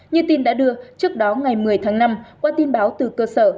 như tin đã đưa trước đó ngày một mươi tháng năm qua tin báo từ cơ sở